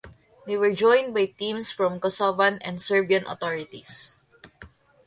They were joined by teams from Kosovan and Serbian authorities.